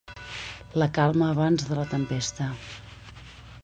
La calma abans de la tempesta.